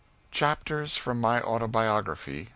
CHAPTERS FROM MY AUTOBIOGRAPHY.